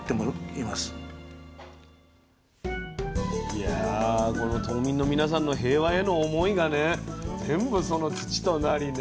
いやこの島民の皆さんの平和への思いがね全部その土となりね。